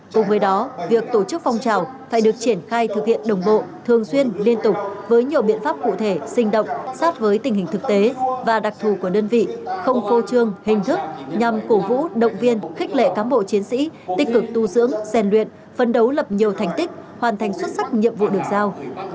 cùng với đó việc tổ chức phong trào phải được triển khai thực hiện đồng bộ thường xuyên liên tục với nhiều biện pháp cụ thể sinh động sát với tình hình thực tế và đặc thù của đơn vị không phô trương hình thức nhằm cổ vũ động viên khích lệ cán bộ chiến sĩ tích cực tu dưỡng rèn luyện phấn đấu lập nhiều thành tích hoàn thành xuất sắc nhiệm vụ được giao